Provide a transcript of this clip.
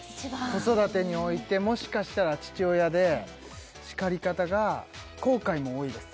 子育てにおいてもしかしたら父親で叱り方が後悔も多いです